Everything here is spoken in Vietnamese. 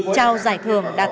chào giải thưởng đã thành công